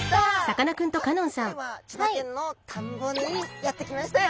さあ今回は千葉県の田んぼにやって来ましたよ。